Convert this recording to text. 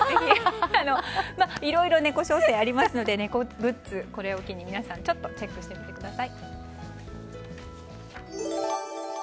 いろいろ猫商戦ありますので猫グッズ、これを機に皆さんチェックしてみてください。